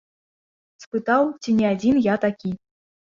Спытаў, ці не адзін я такі.